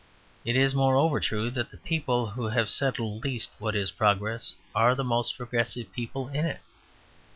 It is, moreover, true that the people who have settled least what is progress are the most "progressive" people in it.